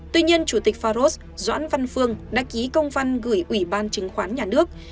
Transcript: tuy nhiên chủ tịch pharos doãn văn phương đã ký công văn gửi ủy ban chính khoán nhà nước